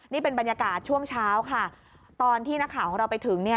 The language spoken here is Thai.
นี่เป็นบรรยากาศช่วงเช้าค่ะตอนที่นักข่าวของเราไปถึงเนี่ย